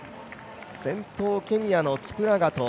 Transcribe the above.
先頭ケニアのキプラガト。